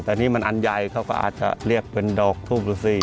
แต่นี่มันอันใหญ่เขาก็อาจจะเรียกเป็นดอกทูบดูสิ